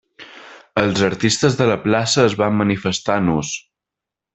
Els artistes de la plaça es van manifestar nus.